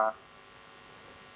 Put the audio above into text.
kita harus mencari